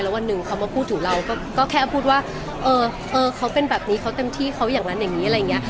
วันหนึ่งเขามาพูดถึงเราก็แค่พูดว่าเออเขาเป็นแบบนี้เขาเต็มที่เขาอย่างนั้นอย่างนี้อะไรอย่างนี้